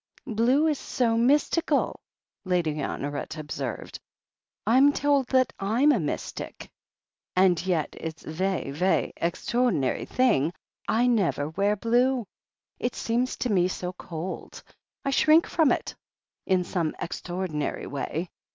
"Blue is so mystical," Lady Honoret observed. "Fm told that Fm a mystic. And yet it's a ve*y» ve'y ext'or dinary thing, I never wear blue. It seems to me so cold. I shrink from it, in some extraordinary way.